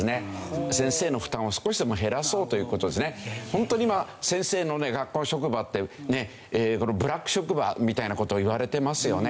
ホントに今先生の学校の職場ってねブラック職場みたいな事言われてますよね。